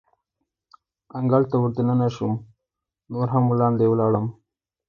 انګړ ته ور دننه شوم، نور هم وړاندې ولاړم.